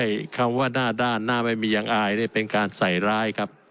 คำว่าหน้าด้านหน้าไม่มียังอายนี่เป็นการใส่ร้ายครับ